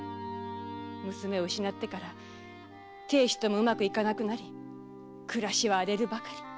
娘を失ってから亭主ともうまくいかなくなり暮らしは荒れるばかり。